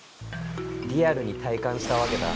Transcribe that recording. リアルに体感したわけだ。